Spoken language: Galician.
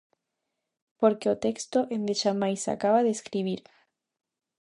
Porque o texto endexamais se acaba de escribir.